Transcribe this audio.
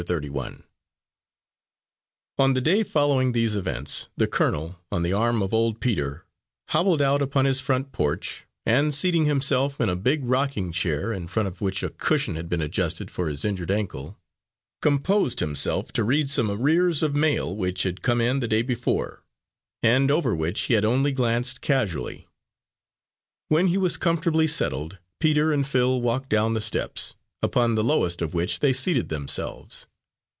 Thirty one On the day following these events, the colonel, on the arm of old Peter, hobbled out upon his front porch, and seating himself in a big rocking chair, in front of which a cushion had been adjusted for his injured ankle, composed himself to read some arrears of mail which had come in the day before, and over which he had only glanced casually. When he was comfortably settled, Peter and Phil walked down the steps, upon the lowest of which they seated themselves.